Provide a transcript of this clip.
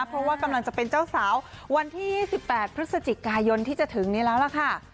เพราะว่ากำลังจะเป็นเจ้าสาววันที่๒๘พฤศจิกายนที่จะถึงนี้แล้วล่ะค่ะ